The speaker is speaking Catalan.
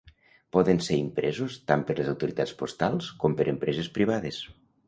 Poden ser impresos tant per les autoritats postals com per empreses privades.